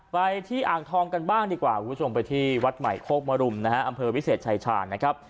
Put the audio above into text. ไปที่อ่างทองกันบ้างดีกว่าวัดใหม่โคบมรุมอำเภอวิเศษชายชาญนะครับ